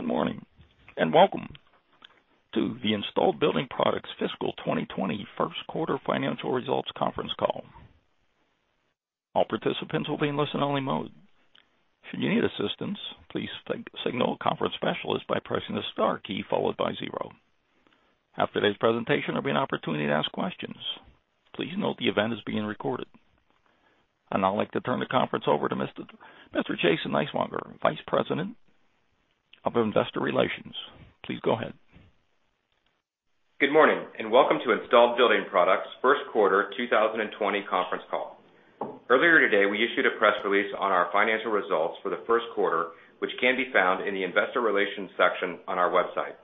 Good morning and Welcome to the Installed Building Products Fiscal 2020 First Quarter Financial Results Conference Call. All participants will be in listen-only mode. Should you need assistance, please signal a conference specialist by pressing the star key followed by zero. After today's presentation there will be an opportunity to ask questions. Please note the event is being recorded. I'd like to turn the conference over to Mr. Jason Niswonger, Vice President of Investor Relations. Please go ahead. Good morning and Welcome to Installed Building Products First Quarter 2020 Conference Call. Earlier today we issued a press release on our financial results for the first quarter, which can be found in the Investor Relations section on our website.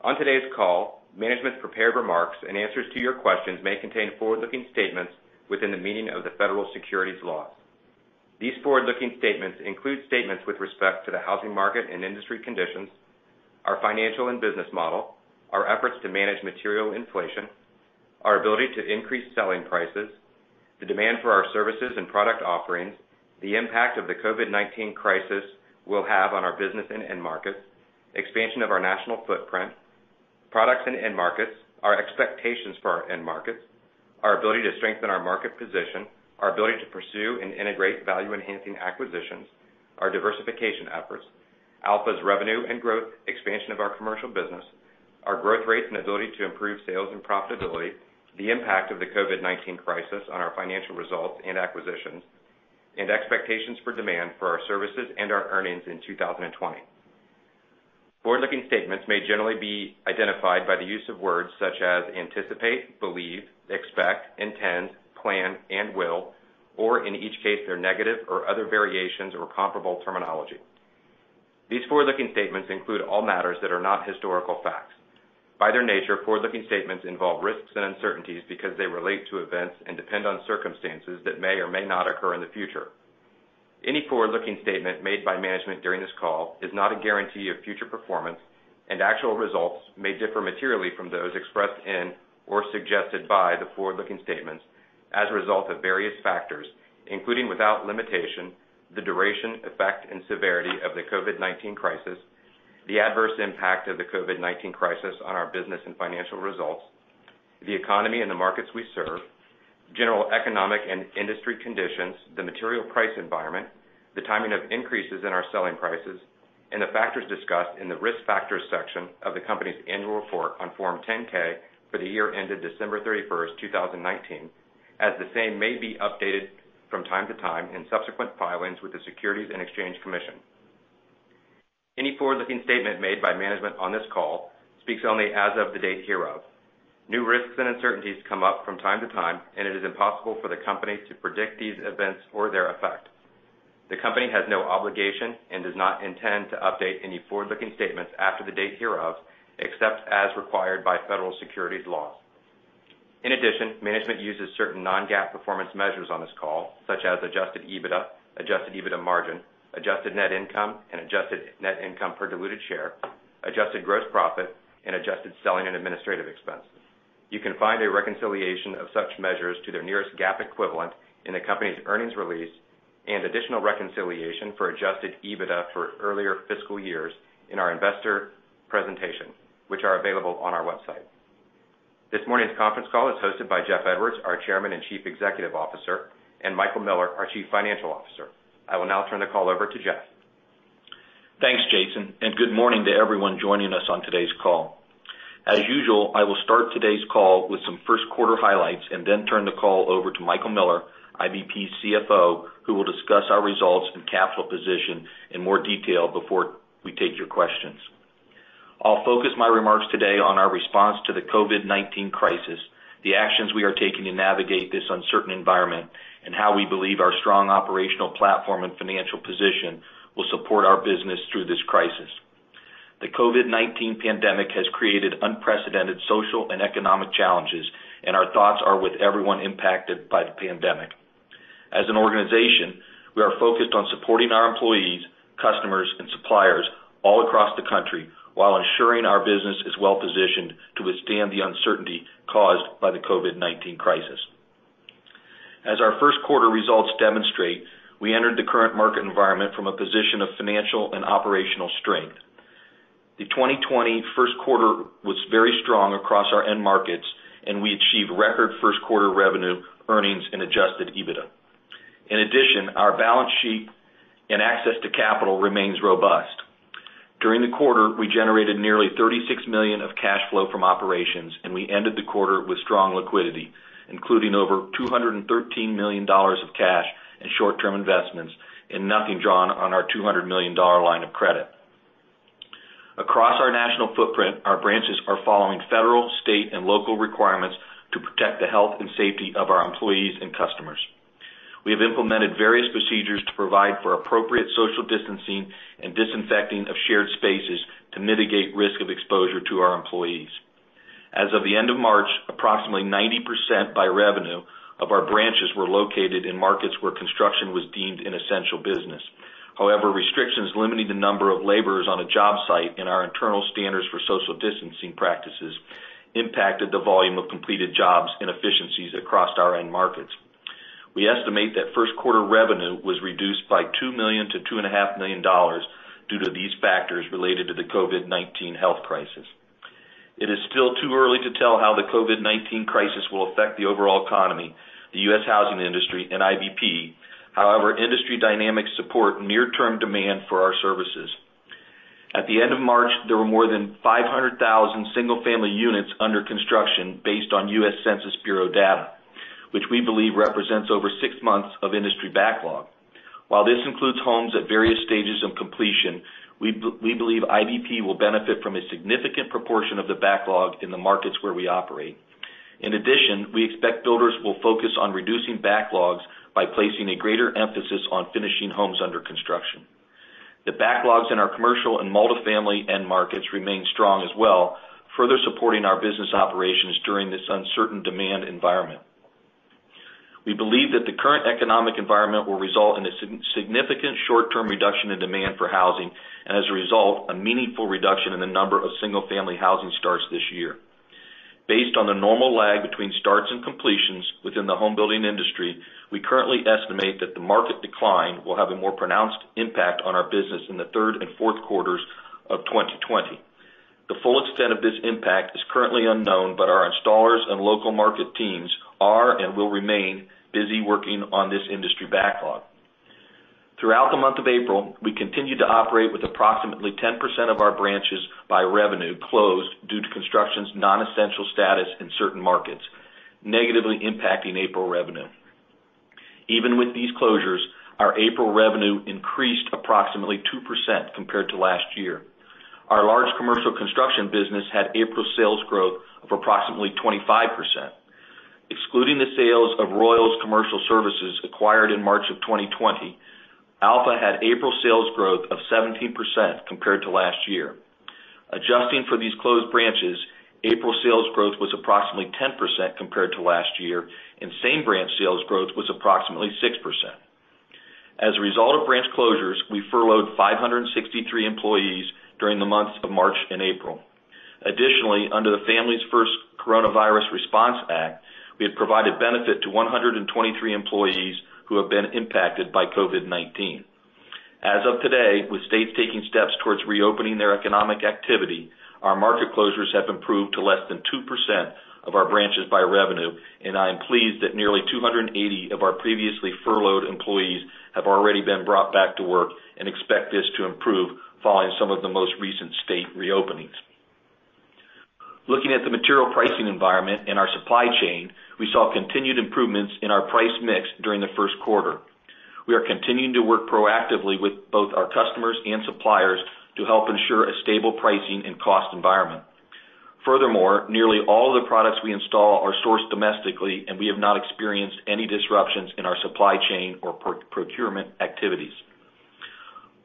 On today's call, management's prepared remarks and answers to your questions may contain forward-looking statements within the meaning of the federal securities laws. These forward-looking statements include statements with respect to the housing market and industry conditions, our financial and business model, our efforts to manage material inflation, our ability to increase selling prices, the demand for our services and product offerings, the impact of the COVID-19 crisis will have on our business and end markets, expansion of our national footprint, products and end markets, our expectations for our end markets, our ability to strengthen our market position, our ability to pursue and integrate value-enhancing acquisitions, our diversification efforts, Alpha's revenue and growth expansion of our commercial business, our growth rates and ability to improve sales and profitability, the impact of the COVID-19 crisis on our financial results and acquisitions, and expectations for demand for our services and our earnings in 2020. Forward-looking statements may generally be identified by the use of words such as anticipate, believe, expect, intend, plan, and will, or in each case their negative or other variations or comparable terminology. These forward-looking statements include all matters that are not historical facts. By their nature, forward-looking statements involve risks and uncertainties because they relate to events and depend on circumstances that may or may not occur in the future. Any forward-looking statement made by management during this call is not a guarantee of future performance, and actual results may differ materially from those expressed in or suggested by the forward-looking statements as a result of various factors, including without limitation, the duration, effect, and severity of the COVID-19 crisis, the adverse impact of the COVID-19 crisis on our business and financial results, the economy and the markets we serve, general economic and industry conditions, the material price environment, the timing of increases in our selling prices, and the factors discussed in the risk factors section of the company's annual report on Form 10-K for the year ended December 31st, 2019, as the same may be updated from time to time in subsequent filings with the Securities and Exchange Commission. Any forward-looking statement made by management on this call speaks only as of the date hereof. New risks and uncertainties come up from time to time, and it is impossible for the company to predict these events or their effect. The company has no obligation and does not intend to update any forward-looking statements after the date hereof except as required by federal securities laws. In addition, management uses certain non-GAAP performance measures on this call, such as adjusted EBITDA, adjusted EBITDA margin, adjusted net income, and adjusted net income per diluted share, adjusted gross profit, and adjusted selling and administrative expense. You can find a reconciliation of such measures to their nearest GAAP equivalent in the company's earnings release and additional reconciliation for adjusted EBITDA for earlier fiscal years in our investor presentation, which are available on our website. This morning's conference call is hosted by Jeff Edwards, our Chairman and Chief Executive Officer, and Michael Miller, our Chief Financial Officer. I will now turn the call over to Jeff. Thanks, Jason, and good morning to everyone joining us on today's call. As usual, I will start today's call with some first quarter highlights and then turn the call over to Michael Miller, IBP's CFO, who will discuss our results and capital position in more detail before we take your questions. I'll focus my remarks today on our response to the COVID-19 crisis, the actions we are taking to navigate this uncertain environment, and how we believe our strong operational platform and financial position will support our business through this crisis. The COVID-19 pandemic has created unprecedented social and economic challenges, and our thoughts are with everyone impacted by the pandemic. As an organization, we are focused on supporting our employees, customers, and suppliers all across the country while ensuring our business is well-positioned to withstand the uncertainty caused by the COVID-19 crisis. As our first quarter results demonstrate, we entered the current market environment from a position of financial and operational strength. The 2020 first quarter was very strong across our end markets, and we achieved record first quarter revenue, earnings, and Adjusted EBITDA. In addition, our balance sheet and access to capital remains robust. During the quarter, we generated nearly $36 million of cash flow from operations, and we ended the quarter with strong liquidity, including over $213 million of cash and short-term investments and nothing drawn on our $200 million line of credit. Across our national footprint, our branches are following federal, state, and local requirements to protect the health and safety of our employees and customers. We have implemented various procedures to provide for appropriate social distancing and disinfecting of shared spaces to mitigate risk of exposure to our employees. As of the end of March, approximately 90% by revenue of our branches were located in markets where construction was deemed an essential business. However, restrictions limiting the number of laborers on a job site and our internal standards for social distancing practices impacted the volume of completed jobs and efficiencies across our end markets. We estimate that first quarter revenue was reduced by $2 million-$2.5 million due to these factors related to the COVID-19 health crisis. It is still too early to tell how the COVID-19 crisis will affect the overall economy, the U.S. housing industry, and IBP. However, industry dynamics support near-term demand for our services. At the end of March, there were more than 500,000 single-family units under construction based on U.S. Census Bureau data, which we believe represents over six months of industry backlog. While this includes homes at various stages of completion, we believe IBP will benefit from a significant proportion of the backlog in the markets where we operate. In addition, we expect builders will focus on reducing backlogs by placing a greater emphasis on finishing homes under construction. The backlogs in our commercial and multifamily end markets remain strong as well, further supporting our business operations during this uncertain demand environment. We believe that the current economic environment will result in a significant short-term reduction in demand for housing and, as a result, a meaningful reduction in the number of single-family housing starts this year. Based on the normal lag between starts and completions within the home building industry, we currently estimate that the market decline will have a more pronounced impact on our business in the third and fourth quarters of 2020. The full extent of this impact is currently unknown, but our installers and local market teams are and will remain busy working on this industry backlog. Throughout the month of April, we continue to operate with approximately 10% of our branches by revenue closed due to construction's non-essential status in certain markets, negatively impacting April revenue. Even with these closures, our April revenue increased approximately 2% compared to last year. Our large commercial construction business had April sales growth of approximately 25%. Excluding the sales of Royal Commercial Services acquired in March of 2020, Alpha had April sales growth of 17% compared to last year. Adjusting for these closed branches, April sales growth was approximately 10% compared to last year, and same branch sales growth was approximately 6%. As a result of branch closures, we furloughed 563 employees during the months of March and April. Additionally, under the Families First Coronavirus Response Act, we had provided benefit to 123 employees who have been impacted by COVID-19. As of today, with states taking steps towards reopening their economic activity, our market closures have improved to less than 2% of our branches by revenue, and I am pleased that nearly 280 of our previously furloughed employees have already been brought back to work and expect this to improve following some of the most recent state reopenings. Looking at the material pricing environment and our supply chain, we saw continued improvements in our price mix during the first quarter. We are continuing to work proactively with both our customers and suppliers to help ensure a stable pricing and cost environment. Furthermore, nearly all of the products we install are sourced domestically, and we have not experienced any disruptions in our supply chain or procurement activities.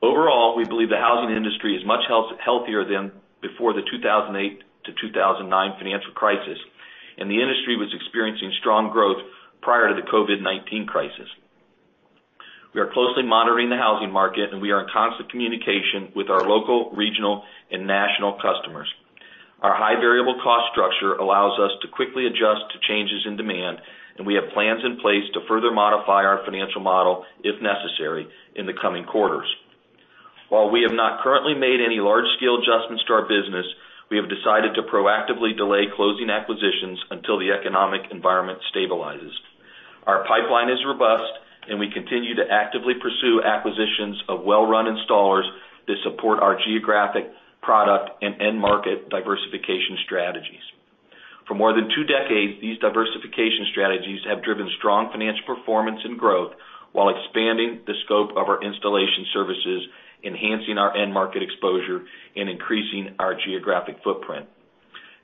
Overall, we believe the housing industry is much healthier than before the 2008-2009 financial crisis, and the industry was experiencing strong growth prior to the COVID-19 crisis. We are closely monitoring the housing market, and we are in constant communication with our local, regional, and national customers. Our high variable cost structure allows us to quickly adjust to changes in demand, and we have plans in place to further modify our financial model if necessary in the coming quarters. While we have not currently made any large-scale adjustments to our business, we have decided to proactively delay closing acquisitions until the economic environment stabilizes. Our pipeline is robust, and we continue to actively pursue acquisitions of well-run installers to support our geographic, product, and end market diversification strategies. For more than two decades, these diversification strategies have driven strong financial performance and growth while expanding the scope of our installation services, enhancing our end market exposure, and increasing our geographic footprint.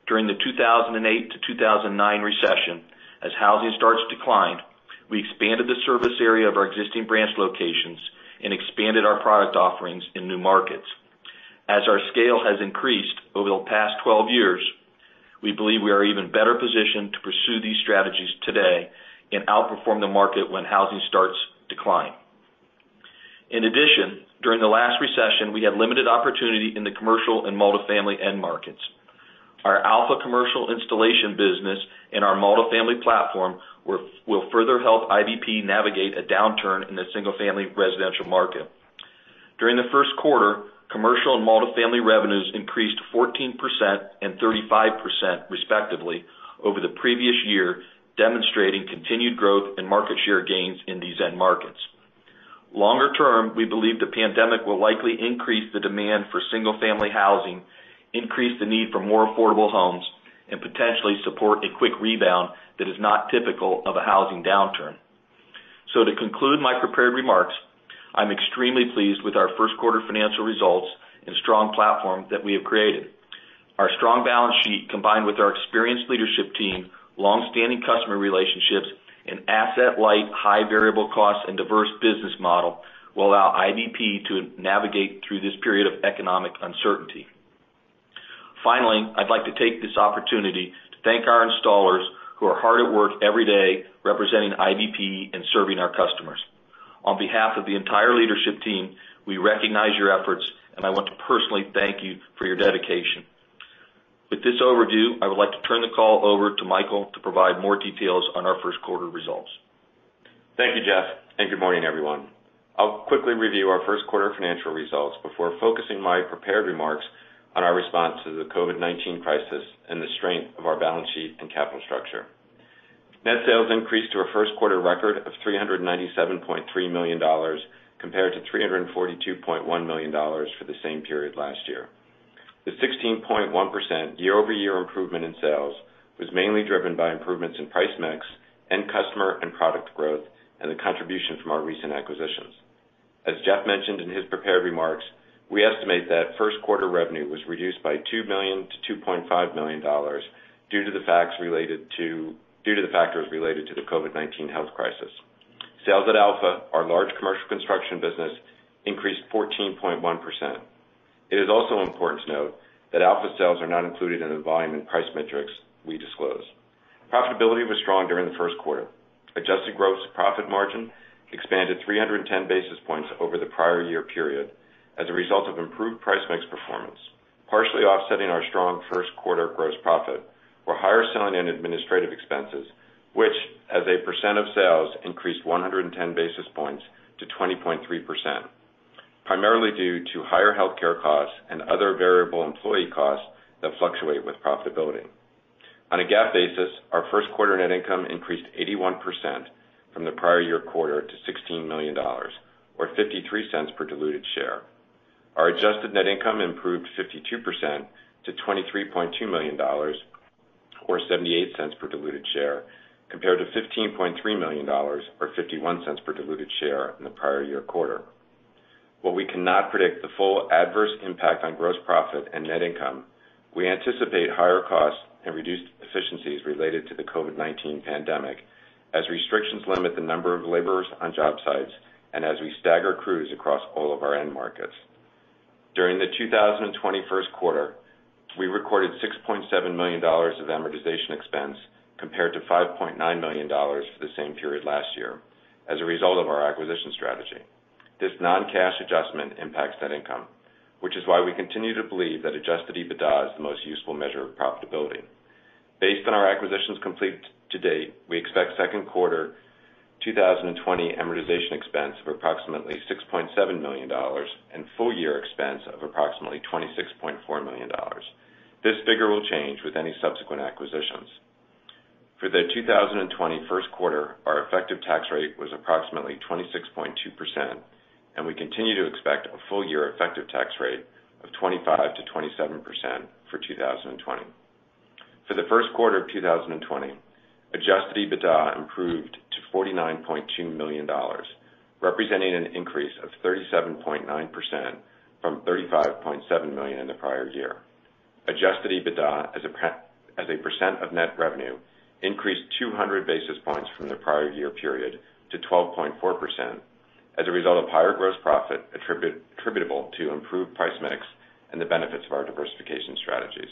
During the 2008-2009 recession, as housing starts declined, we expanded the service area of our existing branch locations and expanded our product offerings in new markets. As our scale has increased over the past 12 years, we believe we are even better positioned to pursue these strategies today and outperform the market when housing starts declining. In addition, during the last recession, we had limited opportunity in the commercial and multifamily end markets. Our Alpha commercial installation business and our multifamily platform will further help IBP navigate a downturn in the single-family residential market. During the first quarter, commercial and multifamily revenues increased 14% and 35% respectively over the previous year, demonstrating continued growth and market share gains in these end markets. Longer term, we believe the pandemic will likely increase the demand for single-family housing, increase the need for more affordable homes, and potentially support a quick rebound that is not typical of a housing downturn. So to conclude my prepared remarks, I'm extremely pleased with our first quarter financial results and strong platform that we have created. Our strong balance sheet, combined with our experienced leadership team, longstanding customer relationships, and asset-light, high variable costs, and diverse business model will allow IBP to navigate through this period of economic uncertainty. Finally, I'd like to take this opportunity to thank our installers who are hard at work every day representing IBP and serving our customers. On behalf of the entire leadership team, we recognize your efforts, and I want to personally thank you for your dedication. With this overview, I would like to turn the call over to Michael to provide more details on our first quarter results. Thank you, Jeff, and good morning, everyone. I'll quickly review our first quarter financial results before focusing my prepared remarks on our response to the COVID-19 crisis and the strength of our balance sheet and capital structure. Net sales increased to a first quarter record of $397.3 million compared to $342.1 million for the same period last year. The 16.1% year-over-year improvement in sales was mainly driven by improvements in price mix and customer and product growth and the contribution from our recent acquisitions. As Jeff mentioned in his prepared remarks, we estimate that first quarter revenue was reduced by $2 million-$2.5 million due to the factors related to the COVID-19 health crisis. Sales at Alpha, our large commercial construction business, increased 14.1%. It is also important to note that Alpha sales are not included in the volume and price metrics we disclose. Profitability was strong during the first quarter. Adjusted gross profit margin expanded 310 basis points over the prior year period as a result of improved price mix performance, partially offsetting our strong first quarter gross profit or higher selling and administrative expenses, which, as a percent of sales, increased 110 basis points to 20.3%, primarily due to higher healthcare costs and other variable employee costs that fluctuate with profitability. On a GAAP basis, our first quarter net income increased 81% from the prior year quarter to $16 million or $0.53 per diluted share. Our adjusted net income improved 52% to $23.2 million or $0.78 per diluted share compared to $15.3 million or $0.51 per diluted share in the prior year quarter. While we cannot predict the full adverse impact on gross profit and net income, we anticipate higher costs and reduced efficiencies related to the COVID-19 pandemic as restrictions limit the number of laborers on job sites and as we stagger crews across all of our end markets. During the first quarter, we recorded $6.7 million of amortization expense compared to $5.9 million for the same period last year as a result of our acquisition strategy. This non-cash adjustment impacts net income, which is why we continue to believe that Adjusted EBITDA is the most useful measure of profitability. Based on our acquisitions complete to date, we expect second quarter 2020 amortization expense of approximately $6.7 million and full year expense of approximately $26.4 million. This figure will change with any subsequent acquisitions. For the 2020 first quarter, our effective tax rate was approximately 26.2%, and we continue to expect a full-year effective tax rate of 25%-27% for 2020. For the first quarter of 2020, Adjusted EBITDA improved to $49.2 million, representing an increase of 37.9% from $35.7 million in the prior year. Adjusted EBITDA, as a percent of net revenue, increased 200 basis points from the prior year period to 12.4% as a result of higher gross profit attributable to improved price mix and the benefits of our diversification strategies.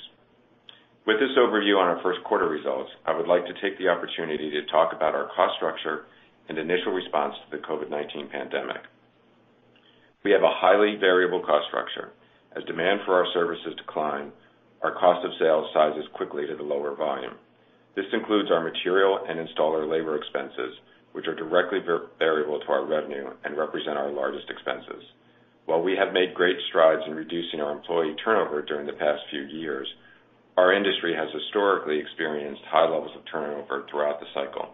With this overview on our first quarter results, I would like to take the opportunity to talk about our cost structure and initial response to the COVID-19 pandemic. We have a highly variable cost structure. As demand for our services decline, our cost of sales scales quickly to the lower volume. This includes our material and installer labor expenses, which are directly variable to our revenue and represent our largest expenses. While we have made great strides in reducing our employee turnover during the past few years, our industry has historically experienced high levels of turnover throughout the cycle,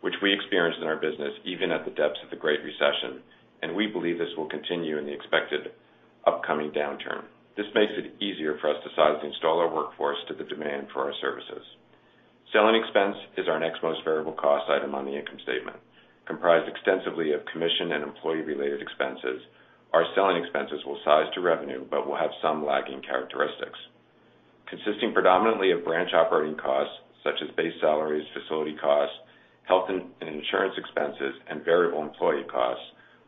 which we experienced in our business even at the depths of the Great Recession, and we believe this will continue in the expected upcoming downturn. This makes it easier for us to size the installer workforce to the demand for our services. Selling expense is our next most variable cost item on the income statement. Comprised extensively of commission and employee-related expenses, our selling expenses will size to revenue but will have some lagging characteristics. Consisting predominantly of branch operating costs such as base salaries, facility costs, health and insurance expenses, and variable employee costs,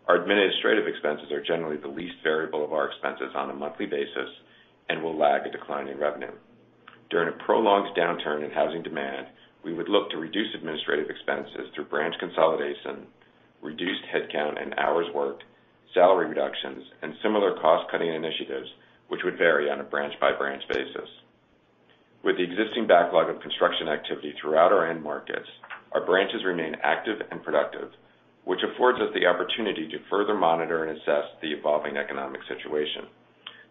our administrative expenses are generally the least variable of our expenses on a monthly basis and will lag a declining revenue. During a prolonged downturn in housing demand, we would look to reduce administrative expenses through branch consolidation, reduced headcount and hours worked, salary reductions, and similar cost-cutting initiatives, which would vary on a branch-by-branch basis. With the existing backlog of construction activity throughout our end markets, our branches remain active and productive, which affords us the opportunity to further monitor and assess the evolving economic situation.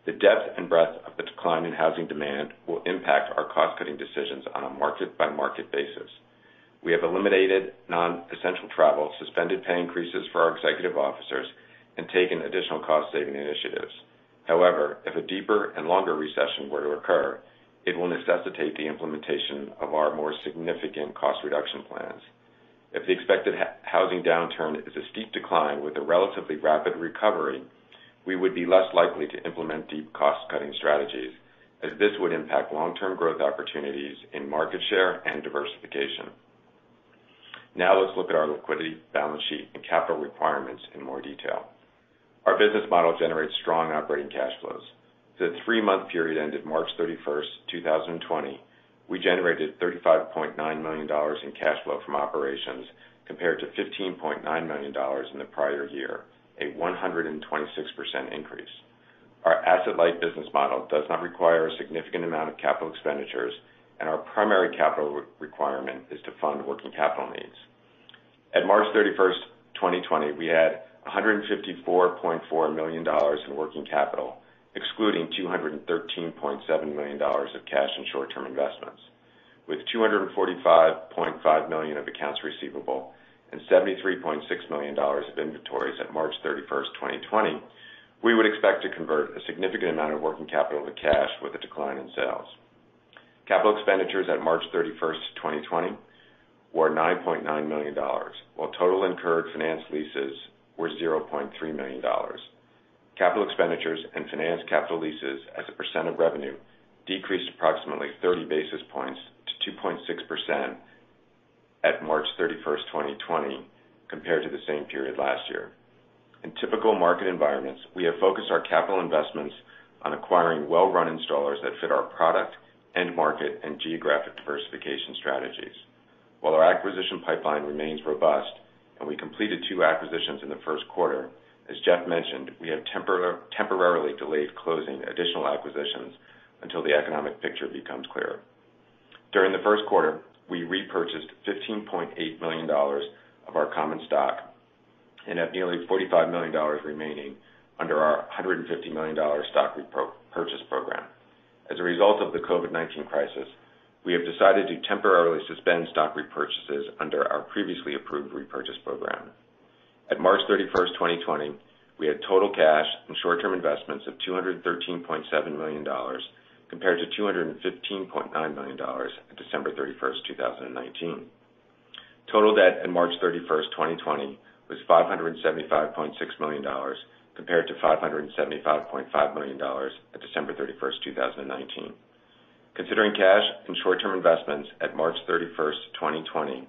The depth and breadth of the decline in housing demand will impact our cost-cutting decisions on a market-by-market basis. We have eliminated non-essential travel, suspended pay increases for our executive officers, and taken additional cost-saving initiatives. However, if a deeper and longer recession were to occur, it will necessitate the implementation of our more significant cost-reduction plans. If the expected housing downturn is a steep decline with a relatively rapid recovery, we would be less likely to implement deep cost-cutting strategies as this would impact long-term growth opportunities in market share and diversification. Now let's look at our liquidity, balance sheet, and capital requirements in more detail. Our business model generates strong operating cash flows. For the three-month period ended March 31st, 2020, we generated $35.9 million in cash flow from operations compared to $15.9 million in the prior year, a 126% increase. Our asset-light business model does not require a significant amount of capital expenditures, and our primary capital requirement is to fund working capital needs. At March 31st, 2020, we had $154.4 million in working capital, excluding $213.7 million of cash and short-term investments. With $245.5 million of accounts receivable and $73.6 million of inventories at March 31st, 2020, we would expect to convert a significant amount of working capital to cash with a decline in sales. Capital expenditures at March 31st, 2020, were $9.9 million, while total incurred finance leases were $0.3 million. Capital expenditures and finance capital leases as a percent of revenue decreased approximately 30 basis points to 2.6% at March 31st, 2020, compared to the same period last year. In typical market environments, we have focused our capital investments on acquiring well-run installers that fit our product, end market, and geographic diversification strategies. While our acquisition pipeline remains robust and we completed two acquisitions in the first quarter, as Jeff mentioned, we have temporarily delayed closing additional acquisitions until the economic picture becomes clearer. During the first quarter, we repurchased $15.8 million of our common stock and have nearly $45 million remaining under our $150 million stock repurchase program. As a result of the COVID-19 crisis, we have decided to temporarily suspend stock repurchases under our previously approved repurchase program. At March 31st, 2020, we had total cash and short-term investments of $213.7 million compared to $215.9 million at December 31st, 2019. Total debt at March 31st, 2020, was $575.6 million compared to $575.5 million at December 31st, 2019. Considering cash and short-term investments at March 31st, 2020,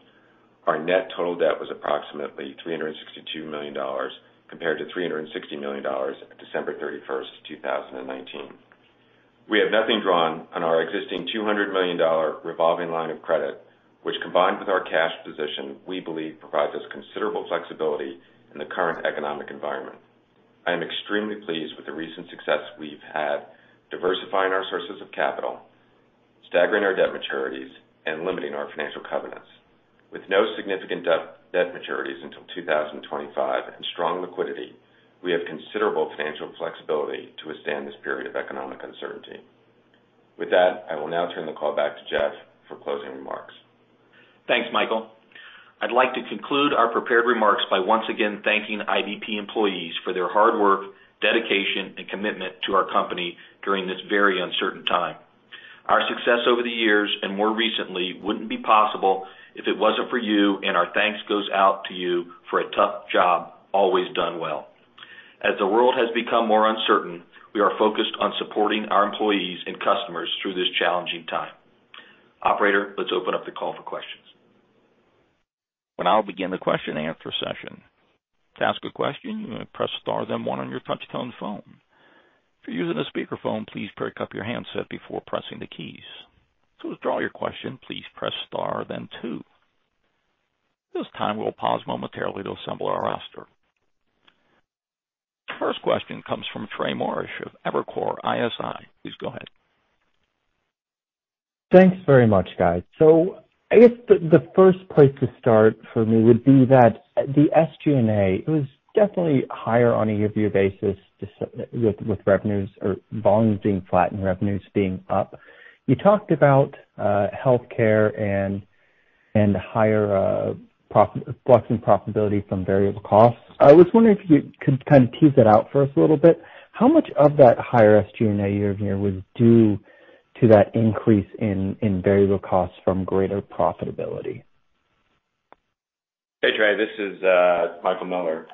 our net total debt was approximately $362 million compared to $360 million at December 31st, 2019. We have nothing drawn on our existing $200 million revolving line of credit, which combined with our cash position, we believe, provides us considerable flexibility in the current economic environment. I am extremely pleased with the recent success we've had diversifying our sources of capital, staggering our debt maturities, and limiting our financial covenants. With no significant debt maturities until 2025 and strong liquidity, we have considerable financial flexibility to withstand this period of economic uncertainty. With that, I will now turn the call back to Jeff for closing remarks. Thanks, Michael. I'd like to conclude our prepared remarks by once again thanking IBP employees for their hard work, dedication, and commitment to our company during this very uncertain time. Our success over the years and more recently wouldn't be possible if it wasn't for you, and our thanks goes out to you for a tough job always done well. As the world has become more uncertain, we are focused on supporting our employees and customers through this challenging time. Operator, let's open up the call for questions. Now I'll begin the question-and-answer session. To ask a question, you may press star then one on your touchscreen phone. If you're using a speakerphone, please pick up your handset before pressing the keys. So to withdraw your question, please press star then two. At this time, we'll pause momentarily to assemble our roster. First question comes from Trey Morrish of Evercore ISI. Please go ahead. Thanks very much, guys. So I guess the first place to start for me would be that the SG&A, it was definitely higher on a year-over-year basis with volumes being flat and revenues being up. You talked about healthcare and higher flux and profitability from variable costs. I was wondering if you could kind of tease that out for us a little bit. How much of that higher SG&A year-over-year was due to that increase in variable costs from greater profitability? Hey, Trey. This is Michael Miller.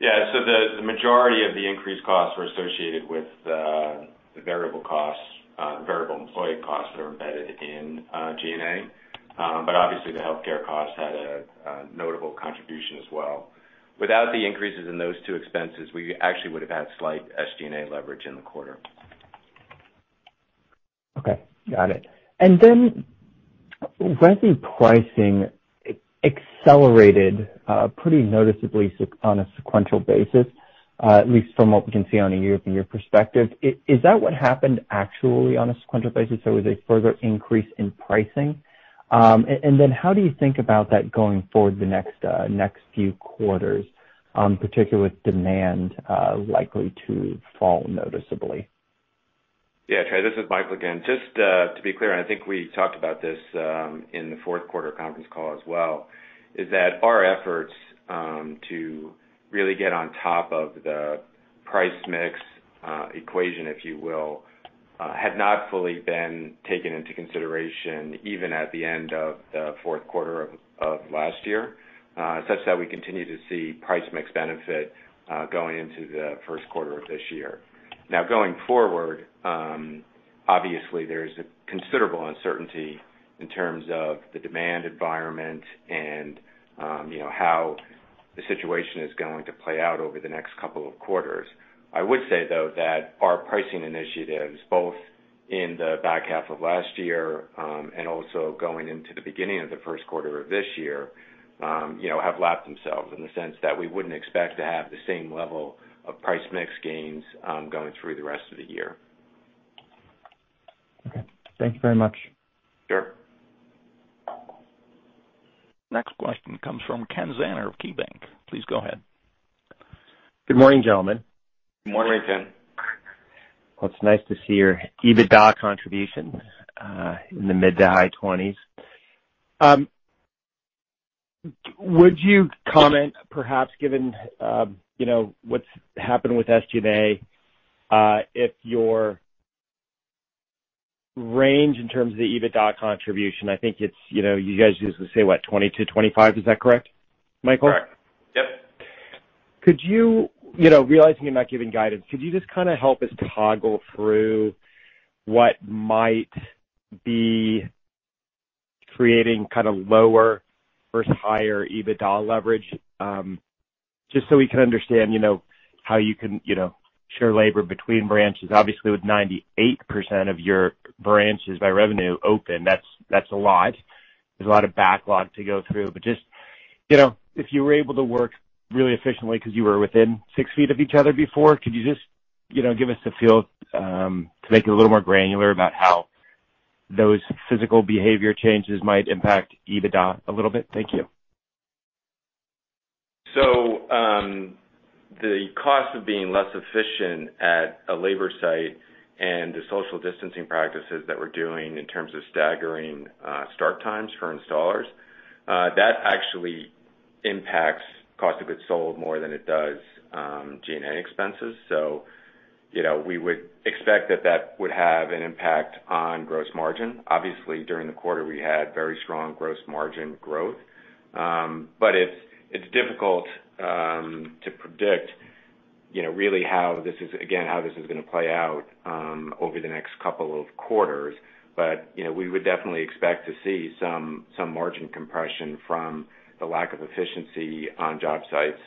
Yeah, so the majority of the increased costs were associated with the variable employee costs that are embedded in G&A, but obviously, the healthcare cost had a notable contribution as well. Without the increases in those two expenses, we actually would have had slight SG&A leverage in the quarter. Okay. Got it. And then when the pricing accelerated pretty noticeably on a sequential basis, at least from what we can see on a year-over-year perspective, is that what happened actually on a sequential basis? So was there a further increase in pricing? And then how do you think about that going forward the next few quarters, particularly with demand likely to fall noticeably? Yeah, Trey. This is Michael again. Just to be clear, and I think we talked about this in the fourth quarter conference call as well, is that our efforts to really get on top of the price mix equation, if you will, had not fully been taken into consideration even at the end of the fourth quarter of last year such that we continue to see price mix benefit going into the first quarter of this year. Now, going forward, obviously, there is considerable uncertainty in terms of the demand environment and how the situation is going to play out over the next couple of quarters. I would say, though, that our pricing initiatives, both in the back half of last year and also going into the beginning of the first quarter of this year, have lapped themselves in the sense that we wouldn't expect to have the same level of price mix gains going through the rest of the year. Okay. Thank you very much. Sure. Next question comes from Ken Zener of KeyBanc. Please go ahead. Good morning, gentlemen. Good morning, Ken. Well, it's nice to see your EBITDA contribution in the mid- to high 20s. Would you comment, perhaps given what's happened with SG&A, if your range in terms of the EBITDA contribution I think you guys usually say, what, 20-25? Is that correct, Michael? Correct. Yep. Could you, realizing you're not giving guidance, could you just kind of help us toggle through what might be creating kind of lower versus higher EBITDA leverage just so we can understand how you can share labor between branches? Obviously, with 98% of your branches by revenue open, that's a lot. There's a lot of backlog to go through. But just if you were able to work really efficiently because you were within six feet of each other before, could you just give us a feel to make it a little more granular about how those physical behavior changes might impact EBITDA a little bit? Thank you. So the cost of being less efficient at a labor site and the social distancing practices that we're doing in terms of staggering start times for installers, that actually impacts cost of goods sold more than it does G&A expenses. So we would expect that that would have an impact on gross margin. Obviously, during the quarter, we had very strong gross margin growth. But it's difficult to predict really how this is again, how this is going to play out over the next couple of quarters. But we would definitely expect to see some margin compression from the lack of efficiency on job sites,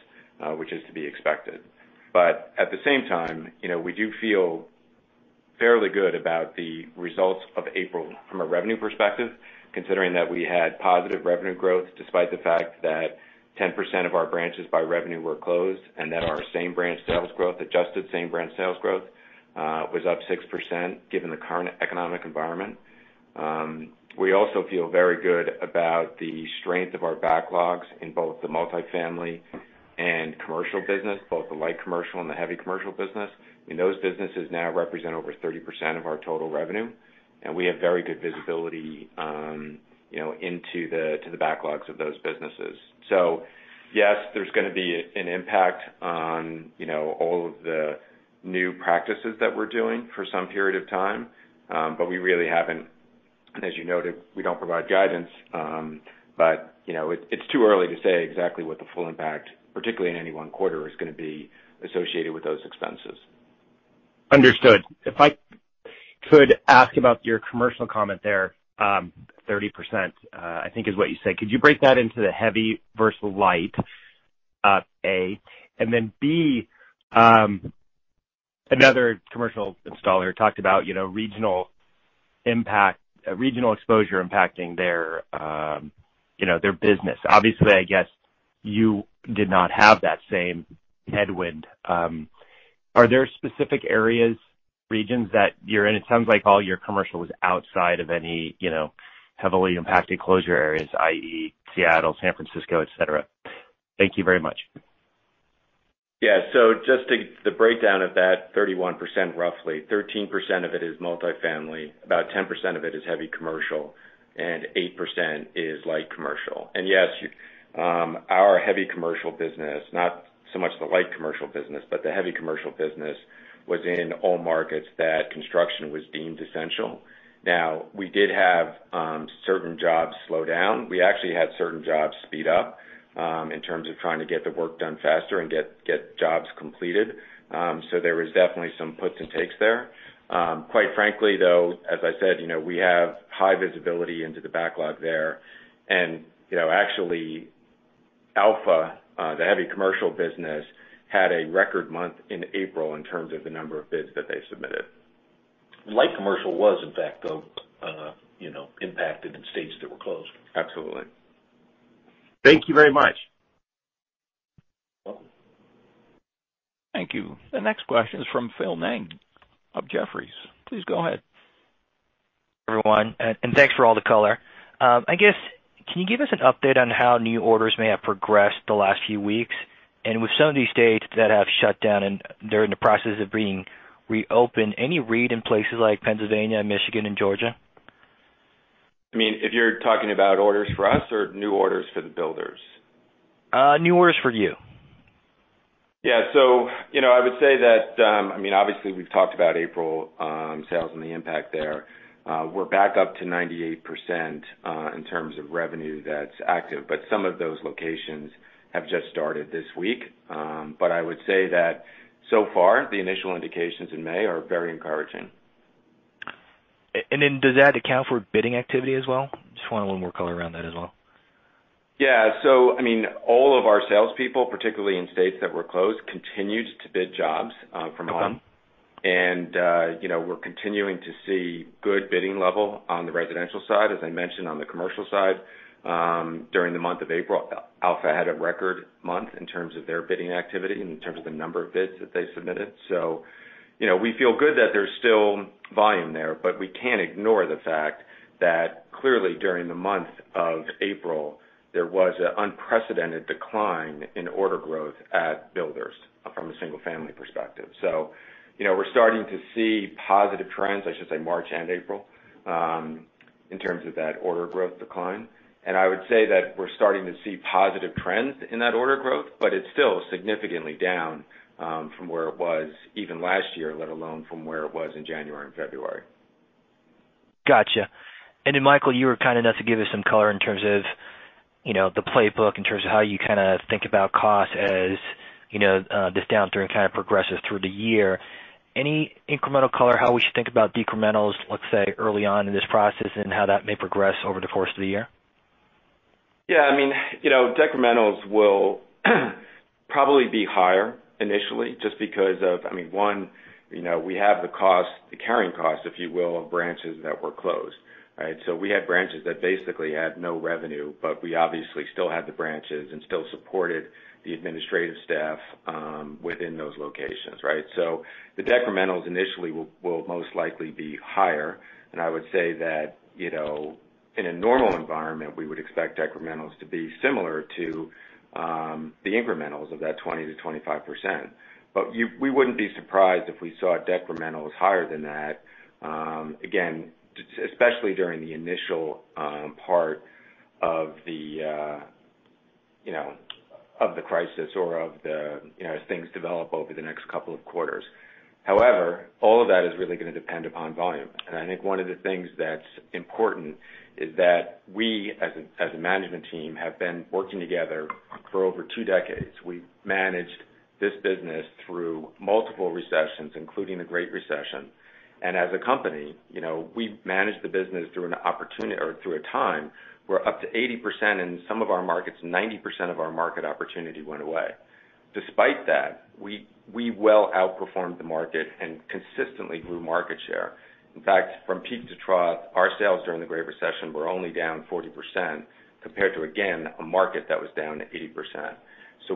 which is to be expected. But at the same time, we do feel fairly good about the results of April from a revenue perspective, considering that we had positive revenue growth despite the fact that 10% of our branches by revenue were closed and that our same branch sales growth, adjusted same branch sales growth, was up 6% given the current economic environment. We also feel very good about the strength of our backlogs in both the multifamily and commercial business, both the light commercial and the heavy commercial business. I mean, those businesses now represent over 30% of our total revenue, and we have very good visibility into the backlogs of those businesses. So yes, there's going to be an impact on all of the new practices that we're doing for some period of time, but we really haven't and as you noted, we don't provide guidance, but it's too early to say exactly what the full impact, particularly in any one quarter, is going to be associated with those expenses. Understood. If I could ask about your commercial comment there, 30%, I think is what you said. Could you break that into the heavy versus light, A? And then B, another commercial installer talked about regional exposure impacting their business. Obviously, I guess you did not have that same headwind. Are there specific areas, regions, that you're in? It sounds like all your commercial was outside of any heavily impacted closure areas, i.e., Seattle, San Francisco, etc. Thank you very much. Yeah. So just the breakdown of that 31% roughly, 13% of it is multifamily, about 10% of it is heavy commercial, and 8% is light commercial. And yes, our heavy commercial business, not so much the light commercial business, but the heavy commercial business was in all markets that construction was deemed essential. Now, we did have certain jobs slow down. We actually had certain jobs speed up in terms of trying to get the work done faster and get jobs completed. So there was definitely some puts and takes there. Quite frankly, though, as I said, we have high visibility into the backlog there. And actually, Alpha, the heavy commercial business, had a record month in April in terms of the number of bids that they submitted. Light commercial was, in fact, though, impacted in states that were closed. Absolutely. Thank you very much. Welcome. Thank you. The next question is from Phil Ng of Jefferies. Please go ahead. Everyone, and thanks for all the color. I guess, can you give us an update on how new orders may have progressed the last few weeks? And with some of these states that have shut down and they're in the process of being reopened, any read in places like Pennsylvania, Michigan, and Georgia? I mean, if you're talking about orders for us or new orders for the builders? New orders for you. Yeah. So I would say that I mean, obviously, we've talked about April sales and the impact there. We're back up to 98% in terms of revenue that's active, but some of those locations have just started this week. But I would say that so far, the initial indications in May are very encouraging. Does that account for bidding activity as well? Just wanted a little more color around that as well. Yeah. So I mean, all of our salespeople, particularly in states that were closed, continued to bid jobs from home. And we're continuing to see good bidding level on the residential side, as I mentioned, on the commercial side during the month of April. Alpha had a record month in terms of their bidding activity and in terms of the number of bids that they submitted. So we feel good that there's still volume there, but we can't ignore the fact that clearly, during the month of April, there was an unprecedented decline in order growth at builders from a single-family perspective. So we're starting to see positive trends, I should say March and April, in terms of that order growth decline. I would say that we're starting to see positive trends in that order growth, but it's still significantly down from where it was even last year, let alone from where it was in January and February. Gotcha. And then, Michael, you were kind enough to give us some color in terms of the playbook, in terms of how you kind of think about cost as this downturn kind of progresses through the year. Any incremental color, how we should think about decrementals, let's say, early on in this process and how that may progress over the course of the year? Yeah. I mean, decrementals will probably be higher initially just because of I mean, one, we have the carrying costs, if you will, of branches that were closed, right? So we had branches that basically had no revenue, but we obviously still had the branches and still supported the administrative staff within those locations, right? So the decrementals initially will most likely be higher. And I would say that in a normal environment, we would expect decrementals to be similar to the incrementals of that 20%-25%. But we wouldn't be surprised if we saw decrementals higher than that, again, especially during the initial part of the crisis or of the as things develop over the next couple of quarters. However, all of that is really going to depend upon volume. I think one of the things that's important is that we, as a management team, have been working together for over two decades. We've managed this business through multiple recessions, including the Great Recession. As a company, we managed the business through an opportunity or through a time where up to 80% in some of our markets, 90% of our market opportunity went away. Despite that, we well outperformed the market and consistently grew market share. In fact, from peak to trough, our sales during the Great Recession were only down 40% compared to, again, a market that was down 80%.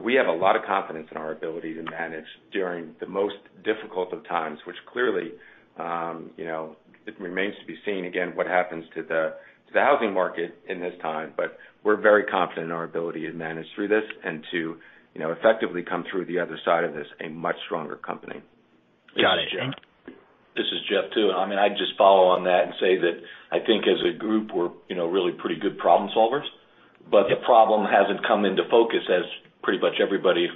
We have a lot of confidence in our ability to manage during the most difficult of times, which clearly, it remains to be seen, again, what happens to the housing market in this time. But we're very confident in our ability to manage through this and to effectively come through the other side of this a much stronger company. Got it. This is Jeff too. And I mean, I'd just follow on that and say that I think as a group, we're really pretty good problem-solvers. But the problem hasn't come into focus, as pretty much everybody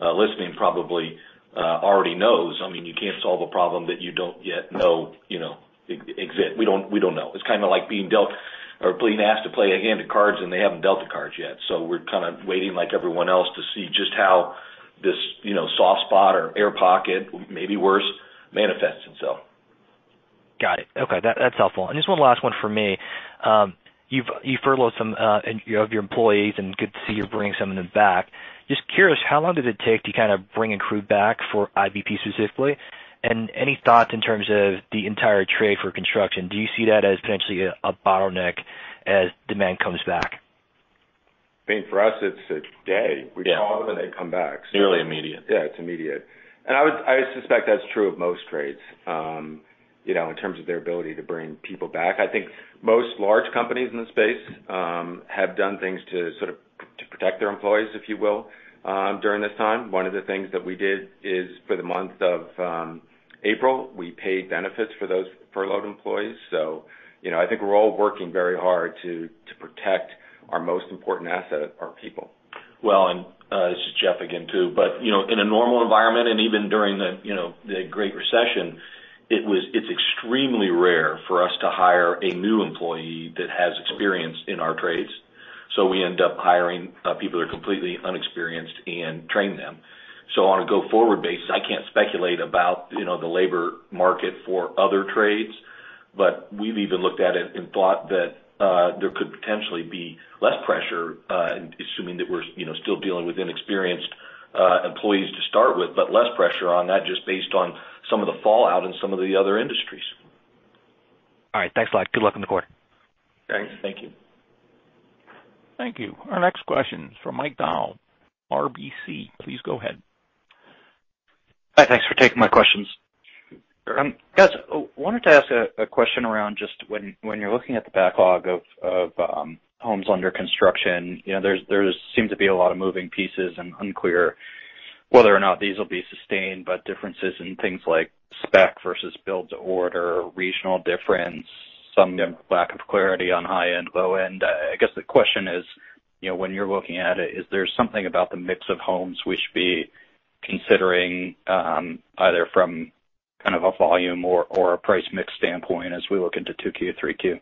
listening probably already knows. I mean, you can't solve a problem that you don't yet know exists. We don't know. It's kind of like being dealt or being asked to play a hand of cards, and they haven't dealt the cards yet. So we're kind of waiting like everyone else to see just how this soft spot or air pocket, maybe worse, manifests itself. Got it. Okay. That's helpful. Just one last one for me. You furloughed some of your employees and could see you bringing some of them back. Just curious, how long did it take to kind of bring a crew back for IBP specifically? Any thoughts in terms of the entire trade for construction? Do you see that as potentially a bottleneck as demand comes back? I mean, for us, it's a day. We call them, and they come back. Nearly immediate. Yeah. It's immediate. And I suspect that's true of most trades in terms of their ability to bring people back. I think most large companies in the space have done things to sort of protect their employees, if you will, during this time. One of the things that we did is for the month of April, we paid benefits for those furloughed employees. So I think we're all working very hard to protect our most important asset, our people. Well, and this is Jeff again too. But in a normal environment and even during the Great Recession, it's extremely rare for us to hire a new employee that has experience in our trades. So we end up hiring people that are completely inexperienced and training them. So on a go-forward basis, I can't speculate about the labor market for other trades, but we've even looked at it and thought that there could potentially be less pressure, assuming that we're still dealing with inexperienced employees to start with, but less pressure on that just based on some of the fallout in some of the other industries. All right. Thanks a lot. Good luck on the court. Thanks. Thank you. Thank you. Our next question is from Mike Dahl, RBC. Please go ahead. Hi. Thanks for taking my questions. Guys, I wanted to ask a question around just when you're looking at the backlog of homes under construction, there seems to be a lot of moving pieces and unclear whether or not these will be sustained, but differences in things like spec versus build-to-order, regional difference, some lack of clarity on high-end, low-end. I guess the question is, when you're looking at it, is there something about the mix of homes we should be considering either from kind of a volume or a price-mix standpoint as we look into 2Q, 3Q?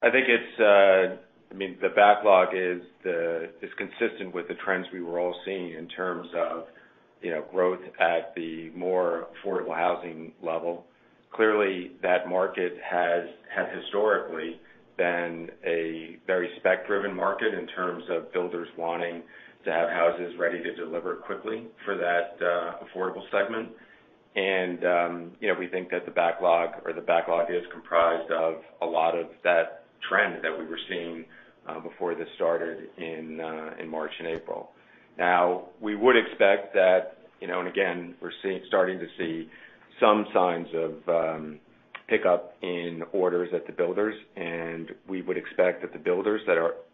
I think it's—I mean, the backlog is consistent with the trends we were all seeing in terms of growth at the more affordable housing level. Clearly, that market has historically been a very spec-driven market in terms of builders wanting to have houses ready to deliver quickly for that affordable segment. We think that the backlog or the backlog is comprised of a lot of that trend that we were seeing before this started in March and April. Now, we would expect that and again, we're starting to see some signs of pickup in orders at the builders. We would expect that the builders,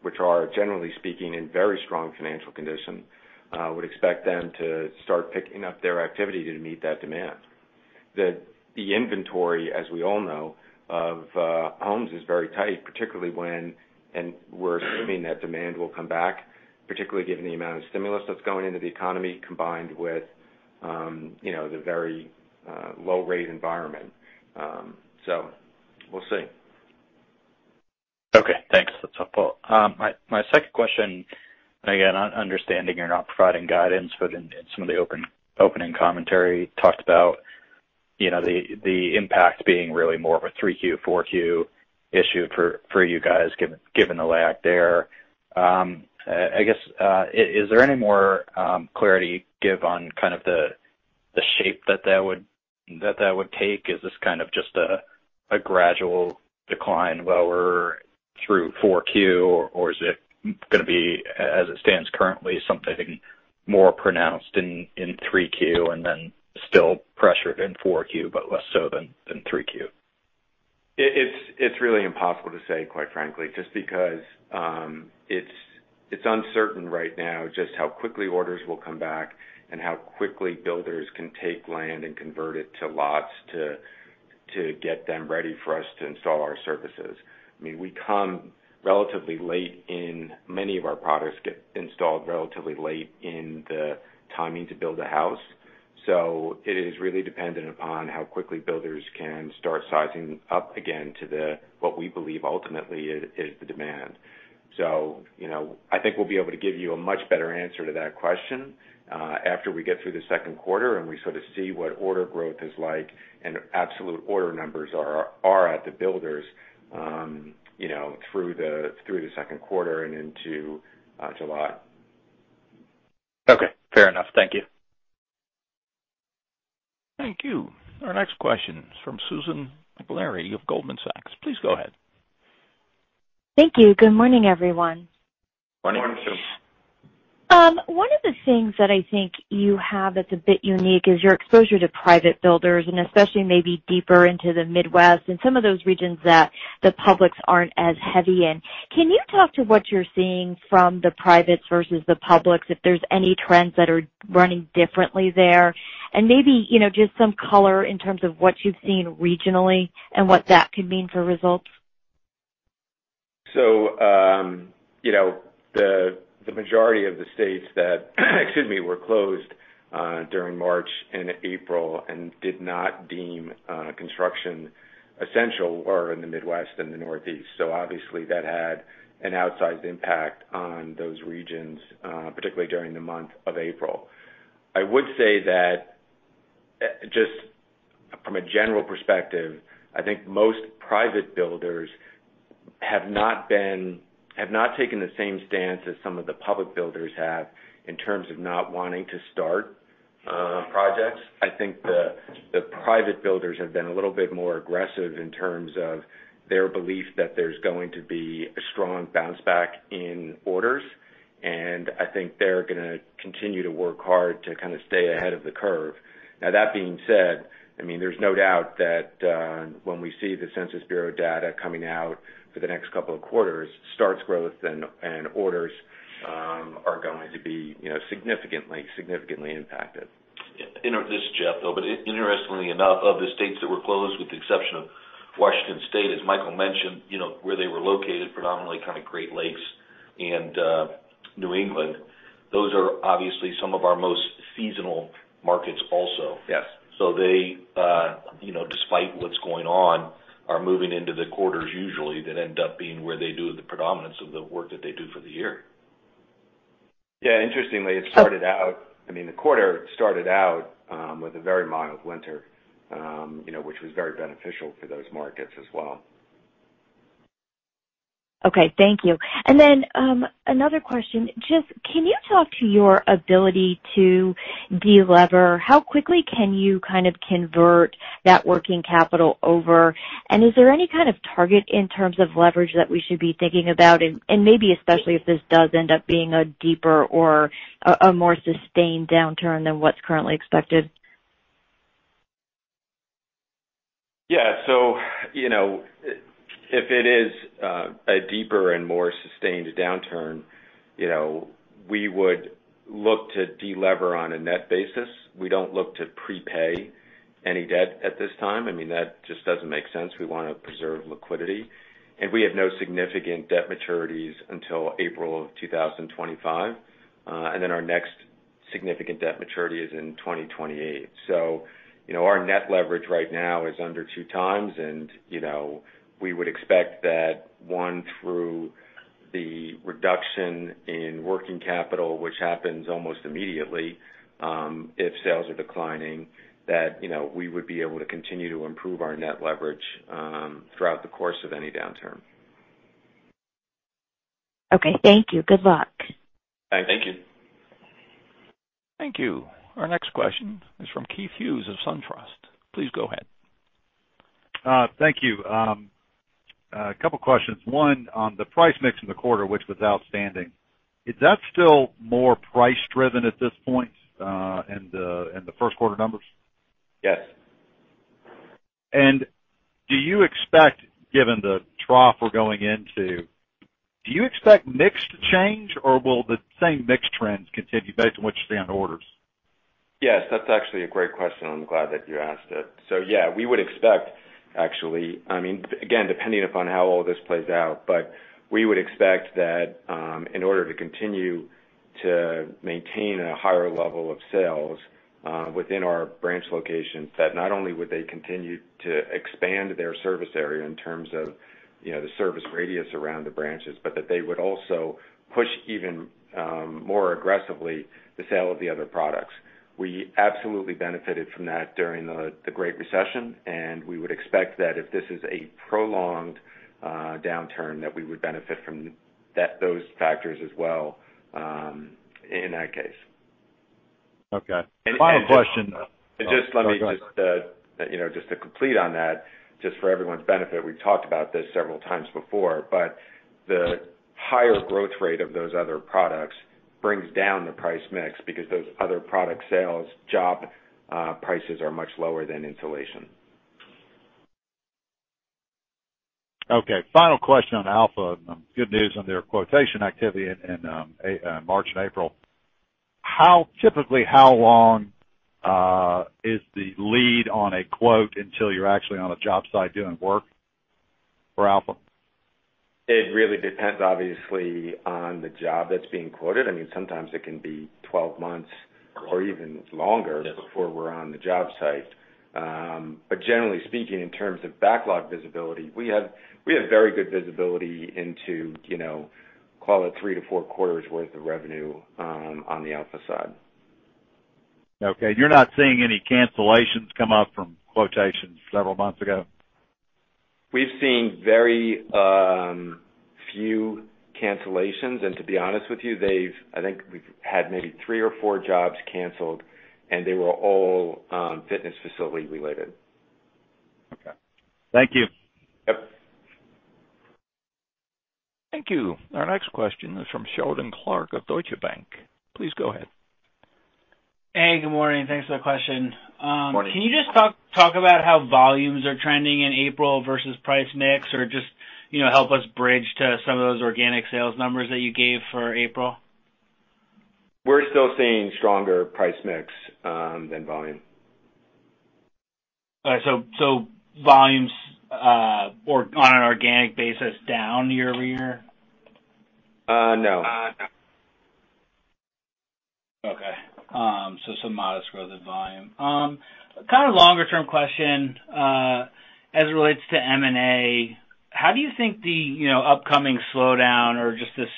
which are generally speaking in very strong financial condition, would expect them to start picking up their activity to meet that demand. The inventory, as we all know, of homes is very tight, particularly we're assuming that demand will come back, particularly given the amount of stimulus that's going into the economy combined with the very low-rate environment. So we'll see. Okay. Thanks. That's helpful. My second question, and again, understanding you're not providing guidance, but in some of the opening commentary, talked about the impact being really more of a 3Q, 4Q issue for you guys given the lack there. I guess, is there any more clarity you'd give on kind of the shape that that would take? Is this kind of just a gradual decline while we're through 4Q, or is it going to be, as it stands currently, something more pronounced in 3Q and then still pressured in 4Q but less so than 3Q? It's really impossible to say, quite frankly, just because it's uncertain right now just how quickly orders will come back and how quickly builders can take land and convert it to lots to get them ready for us to install our services. I mean, we come relatively late in many of our products get installed relatively late in the timing to build a house. So it is really dependent upon how quickly builders can start sizing up again to what we believe ultimately is the demand. So I think we'll be able to give you a much better answer to that question after we get through the second quarter and we sort of see what order growth is like and absolute order numbers are at the builders through the second quarter and into July. Okay. Fair enough. Thank you. Thank you. Our next question is from Susan Maklari of Goldman Sachs. Please go ahead. Thank you. Good morning, everyone. Morning. Morning, Susie. One of the things that I think you have that's a bit unique is your exposure to private builders and especially maybe deeper into the Midwest and some of those regions that the publics aren't as heavy in. Can you talk to what you're seeing from the privates versus the publics, if there's any trends that are running differently there? And maybe just some color in terms of what you've seen regionally and what that could mean for results. So the majority of the states that - excuse me - were closed during March and April and did not deem construction essential were in the Midwest and the Northeast. So obviously, that had an outsized impact on those regions, particularly during the month of April. I would say that just from a general perspective, I think most private builders have not taken the same stance as some of the public builders have in terms of not wanting to start projects. I think the private builders have been a little bit more aggressive in terms of their belief that there's going to be a strong bounce back in orders. And I think they're going to continue to work hard to kind of stay ahead of the curve. Now, that being said, I mean, there's no doubt that when we see the Census Bureau data coming out for the next couple of quarters, starts growth and orders are going to be significantly impacted. This is Jeff though. Interestingly enough, of the states that were closed, with the exception of Washington State, as Michael mentioned, where they were located, predominantly kind of Great Lakes and New England, those are obviously some of our most seasonal markets also. So they, despite what's going on, are moving into the quarters usually that end up being where they do the predominance of the work that they do for the year. Yeah. Interestingly, it started out I mean, the quarter started out with a very mild winter, which was very beneficial for those markets as well. Okay. Thank you. And then another question, just can you talk to your ability to delever? How quickly can you kind of convert that working capital over? And is there any kind of target in terms of leverage that we should be thinking about? And maybe especially if this does end up being a deeper or a more sustained downturn than what's currently expected. Yeah. So if it is a deeper and more sustained downturn, we would look to delever on a net basis. We don't look to prepay any debt at this time. I mean, that just doesn't make sense. We want to preserve liquidity. And we have no significant debt maturities until April of 2025. And then our next significant debt maturity is in 2028. So our net leverage right now is under 2x. And we would expect that through the reduction in working capital, which happens almost immediately if sales are declining, that we would be able to continue to improve our net leverage throughout the course of any downturn. Okay. Thank you. Good luck. Thanks. Thank you. Thank you. Our next question is from Keith Hughes of SunTrust. Please go ahead. Thank you. A couple of questions. One, on the price mix in the quarter, which was outstanding, is that still more price-driven at this point and the first quarter numbers? Yes. Do you expect, given the trough we're going into, do you expect mix to change, or will the same mix trends continue based on what you see on orders? Yes. That's actually a great question. I'm glad that you asked it. So yeah, we would expect, actually I mean, again, depending upon how all this plays out, but we would expect that in order to continue to maintain a higher level of sales within our branch locations, that not only would they continue to expand their service area in terms of the service radius around the branches, but that they would also push even more aggressively the sale of the other products. We absolutely benefited from that during the Great Recession. We would expect that if this is a prolonged downturn, that we would benefit from those factors as well in that case. Okay. Final question. Just let me just to comment on that, just for everyone's benefit, we've talked about this several times before, but the higher growth rate of those other products brings down the price mix because those other product sales job prices are much lower than insulation. Okay. Final question on Alpha. Good news on their quotation activity in March and April. Typically, how long is the lead on a quote until you're actually on a job site doing work for Alpha? It really depends, obviously, on the job that's being quoted. I mean, sometimes it can be 12 months or even longer before we're on the job site. But generally speaking, in terms of backlog visibility, we have very good visibility into, call it, 3-4 quarters' worth of revenue on the Alpha side. Okay. You're not seeing any cancellations come up from quotations several months ago? We've seen very few cancellations. To be honest with you, I think we've had maybe three or four jobs canceled, and they were all fitness facility-related. Okay. Thank you. Yep. Thank you. Our next question is from Sheldon Clark of Deutsche Bank. Please go ahead. Hey. Good morning. Thanks for the question. Morning. Can you just talk about how volumes are trending in April versus price mix or just help us bridge to some of those organic sales numbers that you gave for April? We're still seeing stronger price mix than volume. All right. So volumes on an organic basis down year over year? No. Okay. So some modest growth in volume. Kind of longer-term question as it relates to M&A. How do you think the upcoming slowdown or just this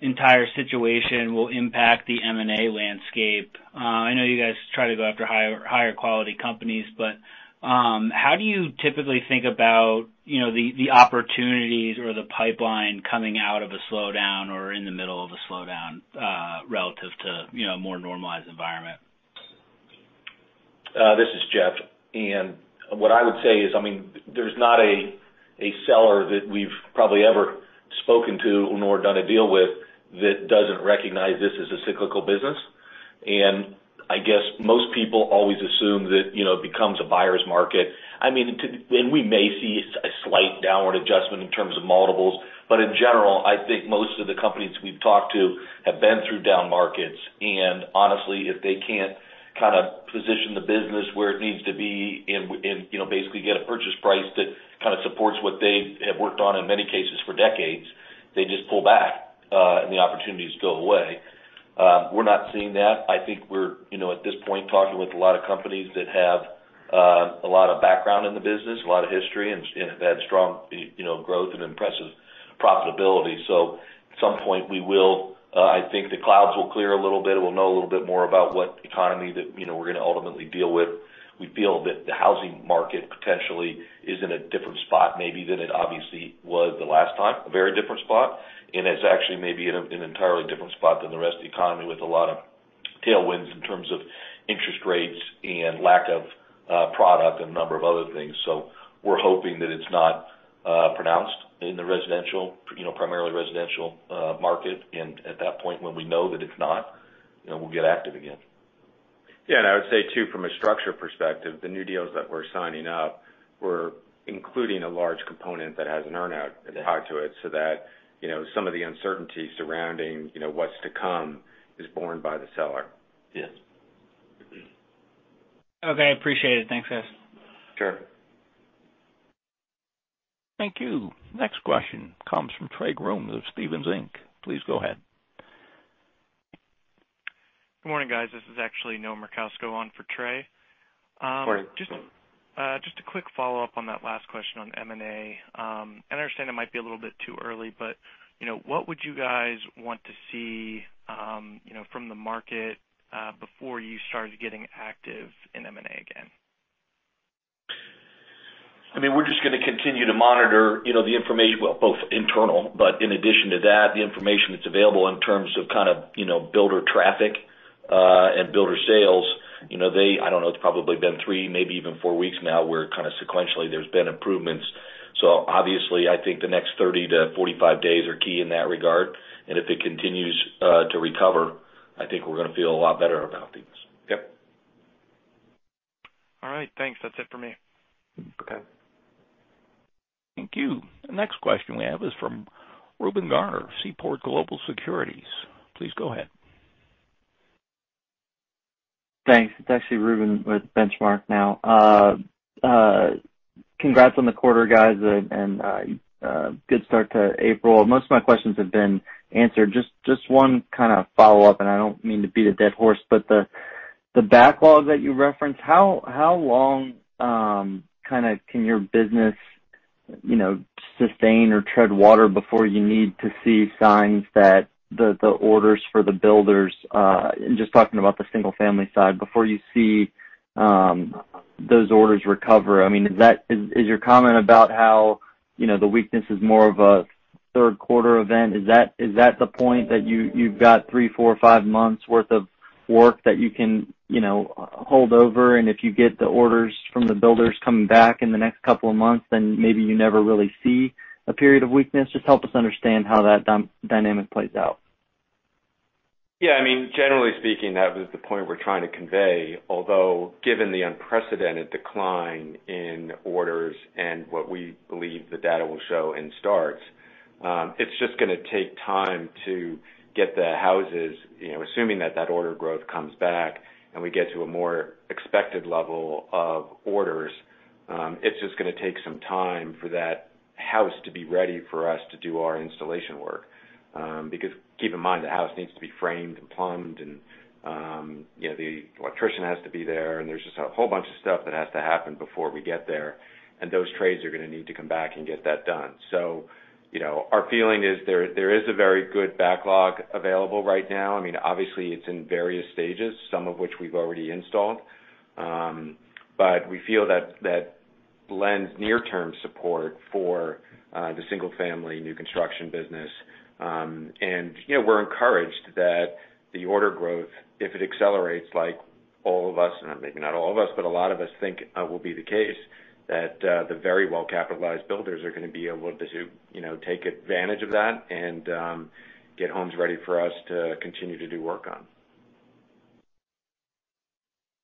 entire situation will impact the M&A landscape? I know you guys try to go after higher-quality companies, but how do you typically think about the opportunities or the pipeline coming out of a slowdown or in the middle of a slowdown relative to a more normalized environment? This is Jeff. What I would say is, I mean, there's not a seller that we've probably ever spoken to nor done a deal with that doesn't recognize this as a cyclical business. I guess most people always assume that it becomes a buyer's market. I mean, we may see a slight downward adjustment in terms of multiples. But in general, I think most of the companies we've talked to have been through down markets. Honestly, if they can't kind of position the business where it needs to be and basically get a purchase price that kind of supports what they have worked on, in many cases, for decades, they just pull back, and the opportunities go away. We're not seeing that. I think we're, at this point, talking with a lot of companies that have a lot of background in the business, a lot of history, and have had strong growth and impressive profitability. So at some point, we will. I think the clouds will clear a little bit. We'll know a little bit more about what economy that we're going to ultimately deal with. We feel that the housing market potentially is in a different spot maybe than it obviously was the last time, a very different spot. And it's actually maybe an entirely different spot than the rest of the economy with a lot of tailwinds in terms of interest rates and lack of product and a number of other things. So we're hoping that it's not pronounced in the primarily residential market. And at that point, when we know that it's not, we'll get active again. Yeah. I would say too, from a structure perspective, the new deals that we're signing up, we're including a large component that has an earnout tied to it so that some of the uncertainty surrounding what's to come is borne by the seller. Okay. I appreciate it. Thanks, guys. Sure. Thank you. Next question comes from Trey Grooms of Stephens Inc. Please go ahead. Good morning, guys. This is actually Noah Merkousko on for Trey. Morning. Just a quick follow-up on that last question on M&A. I understand it might be a little bit too early, but what would you guys want to see from the market before you started getting active in M&A again? I mean, we're just going to continue to monitor the information well, both internal, but in addition to that, the information that's available in terms of kind of builder traffic and builder sales. I don't know. It's probably been 3, maybe even 4 weeks now where kind of sequentially, there's been improvements. So obviously, I think the next 30-45 days are key in that regard. And if it continues to recover, I think we're going to feel a lot better about things. Yep. All right. Thanks. That's it for me. Okay. Thank you. The next question we have is from Reuben Garner of Seaport Global Securities. Please go ahead. Thanks. It's actually Reuben with Benchmark now. Congrats on the quarter, guys, and good start to April. Most of my questions have been answered. Just one kind of follow-up, and I don't mean to beat a dead horse, but the backlog that you referenced, how long kind of can your business sustain or tread water before you need to see signs that the orders for the builders and just talking about the single-family side, before you see those orders recover? I mean, is your comment about how the weakness is more of a third-quarter event, is that the point that you've got three, four, five months' worth of work that you can hold over? And if you get the orders from the builders coming back in the next couple of months, then maybe you never really see a period of weakness. Just help us understand how that dynamic plays out. Yeah. I mean, generally speaking, that was the point we're trying to convey. Although given the unprecedented decline in orders and what we believe the data will show in starts, it's just going to take time to get the houses assuming that that order growth comes back and we get to a more expected level of orders, it's just going to take some time for that house to be ready for us to do our installation work. Because keep in mind, the house needs to be framed and plumbed, and the electrician has to be there. And there's just a whole bunch of stuff that has to happen before we get there. And those trades are going to need to come back and get that done. So our feeling is there is a very good backlog available right now. I mean, obviously, it's in various stages, some of which we've already installed. But we feel that that lends near-term support for the single-family new construction business. And we're encouraged that the order growth, if it accelerates, like all of us maybe not all of us, but a lot of us think will be the case, that the very well-capitalized builders are going to be able to take advantage of that and get homes ready for us to continue to do work on.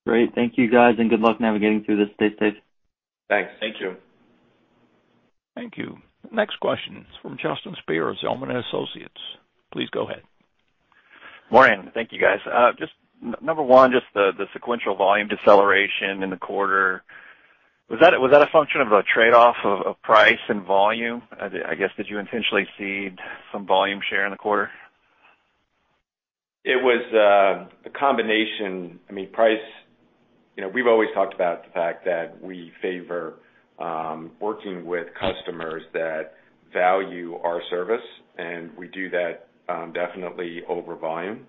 Great. Thank you, guys, and good luck navigating through this. Stay safe. Thanks. Thank you. Thank you. Next question is from Justin Speer of Zelman & Associates. Please go ahead. Morning. Thank you, guys. Number one, just the sequential volume deceleration in the quarter, was that a function of a trade-off of price and volume? I guess did you intentionally seed some volume share in the quarter? It was a combination. I mean, price we've always talked about the fact that we favor working with customers that value our service. And we do that definitely over volume.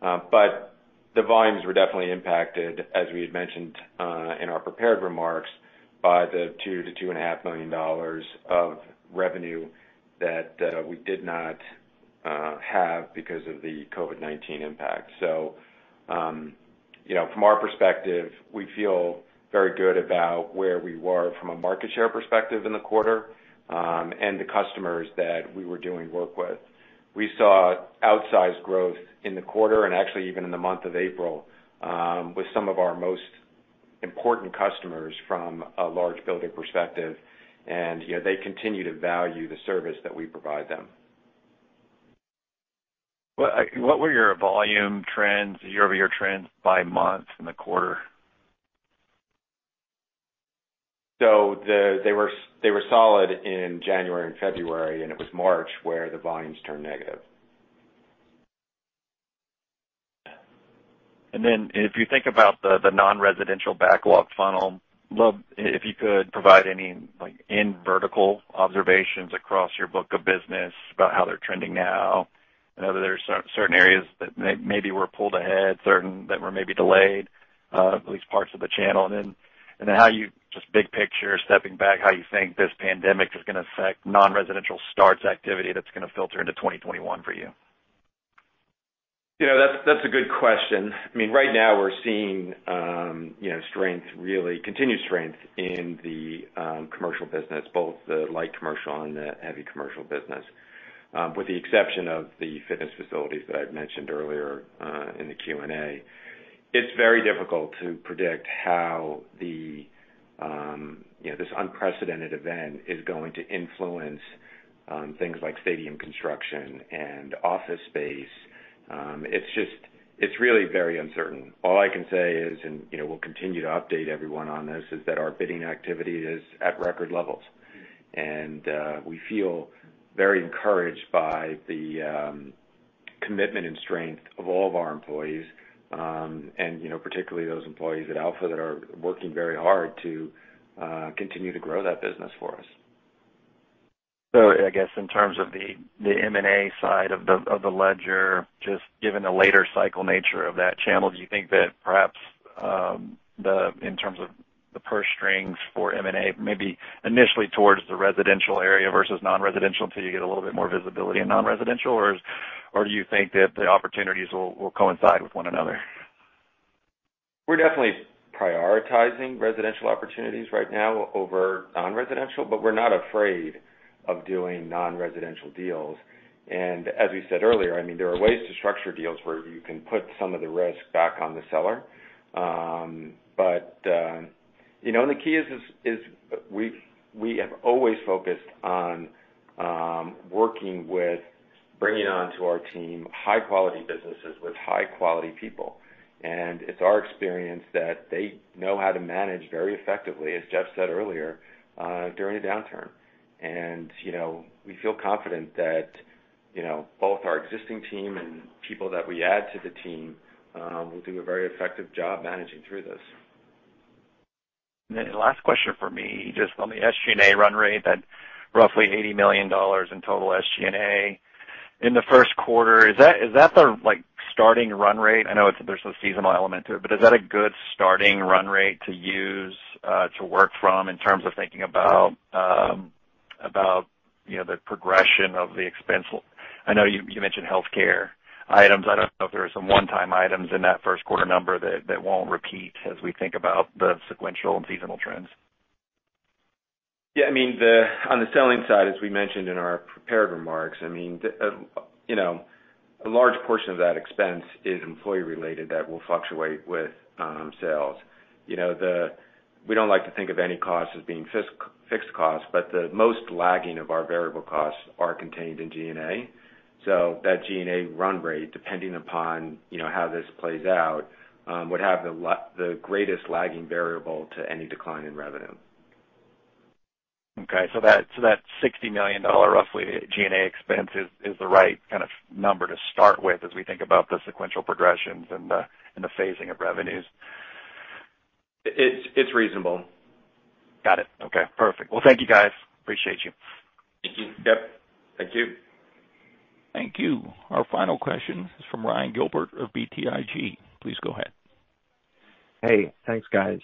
But the volumes were definitely impacted, as we had mentioned in our prepared remarks, by the $2 million-$2.5 million of revenue that we did not have because of the COVID-19 impact. So from our perspective, we feel very good about where we were from a market share perspective in the quarter and the customers that we were doing work with. We saw outsized growth in the quarter and actually even in the month of April with some of our most important customers from a large builder perspective. They continue to value the service that we provide them. What were your volume trends, year-over-year trends by month in the quarter? They were solid in January and February. It was March where the volumes turned negative. And then if you think about the non-residential backlog funnel, if you could provide any in-vertical observations across your book of business about how they're trending now and whether there are certain areas that maybe were pulled ahead, certain that were maybe delayed, at least parts of the channel, and then how you just big picture, stepping back, how you think this pandemic is going to affect non-residential starts activity that's going to filter into 2021 for you? That's a good question. I mean, right now, we're seeing strength, really continued strength, in the commercial business, both the light commercial and the heavy commercial business. With the exception of the fitness facilities that I've mentioned earlier in the Q&A, it's very difficult to predict how this unprecedented event is going to influence things like stadium construction and office space. It's really very uncertain. All I can say is, and we'll continue to update everyone on this, is that our bidding activity is at record levels. And we feel very encouraged by the commitment and strength of all of our employees, and particularly those employees at Alpha that are working very hard to continue to grow that business for us. So I guess in terms of the M&A side of the ledger, just given the later cycle nature of that channel, do you think that perhaps in terms of the purse strings for M&A, maybe initially towards the residential area versus non-residential until you get a little bit more visibility in non-residential? Or do you think that the opportunities will coincide with one another? We're definitely prioritizing residential opportunities right now over non-residential, but we're not afraid of doing non-residential deals. And as we said earlier, I mean, there are ways to structure deals where you can put some of the risk back on the seller. But the key is we have always focused on working with bringing onto our team high-quality businesses with high-quality people. And it's our experience that they know how to manage very effectively, as Jeff said earlier, during a downturn. And we feel confident that both our existing team and people that we add to the team will do a very effective job managing through this. Then the last question for me, just on the SG&A run rate, that roughly $80 million in total SG&A in the first quarter, is that the starting run rate? I know there's a seasonal element to it, but is that a good starting run rate to use to work from in terms of thinking about the progression of the expense? I know you mentioned healthcare items. I don't know if there are some one-time items in that first quarter number that won't repeat as we think about the sequential and seasonal trends. Yeah. I mean, on the selling side, as we mentioned in our prepared remarks, I mean, a large portion of that expense is employee-related that will fluctuate with sales. We don't like to think of any cost as being fixed costs, but the most lagging of our variable costs are contained in G&A. So that G&A run rate, depending upon how this plays out, would have the greatest lagging variable to any decline in revenue. Okay. So that $60 million, roughly, G&A expense is the right kind of number to start with as we think about the sequential progressions and the phasing of revenues? It's reasonable. Got it. Okay. Perfect. Well, thank you, guys. Appreciate you. Thank you. Yep. Thank you. Thank you. Our final question is from Ryan Gilbert of BTIG. Please go ahead. Hey. Thanks, guys.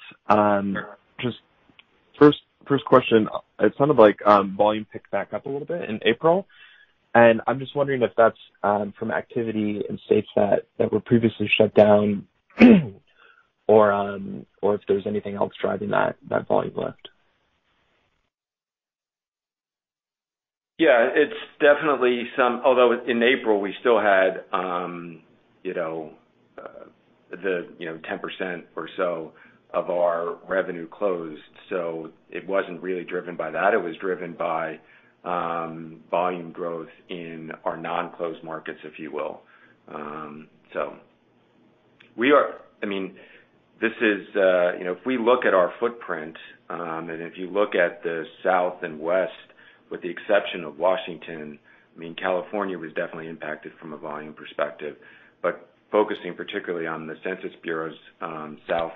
First question, it sounded like volume picked back up a little bit in April. I'm just wondering if that's from activity in states that were previously shut down or if there's anything else driving that volume lift. Yeah. Although in April, we still had the 10% or so of our revenue closed. So it wasn't really driven by that. It was driven by volume growth in our non-closed markets, if you will. So I mean, this is if we look at our footprint and if you look at the South and West, with the exception of Washington, I mean, California was definitely impacted from a volume perspective. But focusing particularly on the Census Bureau's South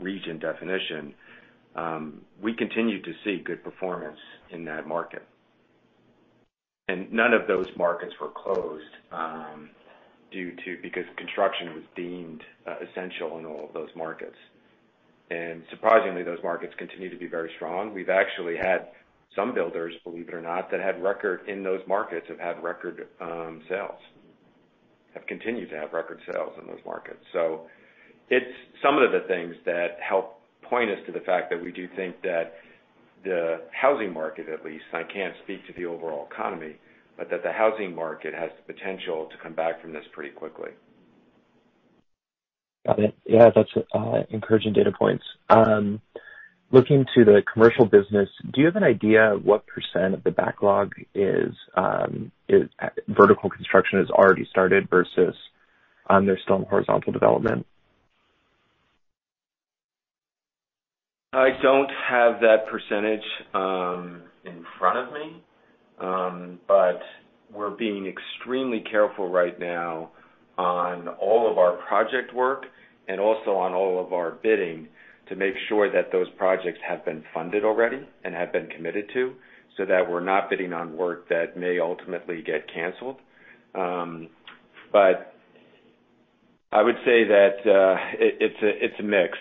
region definition, we continued to see good performance in that market. And none of those markets were closed because construction was deemed essential in all of those markets. And surprisingly, those markets continue to be very strong. We've actually had some builders, believe it or not, that had record in those markets, have had record sales, have continued to have record sales in those markets. It's some of the things that help point us to the fact that we do think that the housing market, at least I can't speak to the overall economy, but that the housing market has the potential to come back from this pretty quickly. Got it. Yeah. That's encouraging data points. Looking to the commercial business, do you have an idea what percent of the backlog is vertical construction has already started versus there's still horizontal development? I don't have that percentage in front of me. But we're being extremely careful right now on all of our project work and also on all of our bidding to make sure that those projects have been funded already and have been committed to so that we're not bidding on work that may ultimately get canceled. But I would say that it's a mix.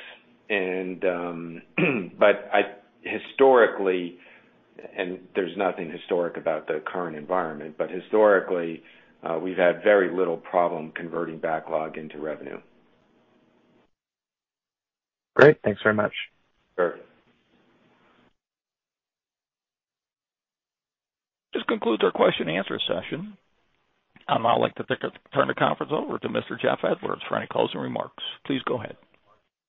But historically and there's nothing historic about the current environment, but historically, we've had very little problem converting backlog into revenue. Great. Thanks very much. Sure. This concludes our question-and-answer session. I'd like to turn the conference over to Mr. Jeff Edwards for any closing remarks. Please go ahead.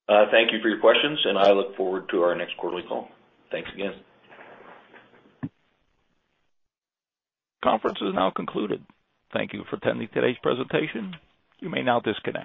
Thank you for your questions. I look forward to our next quarterly call. Thanks again. Conference is now concluded. Thank you for attending today's presentation. You may now disconnect.